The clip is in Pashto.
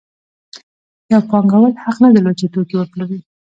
یو پانګوال حق نه درلود چې توکي وپلوري